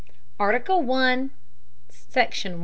ARTICLE. I. SECTION.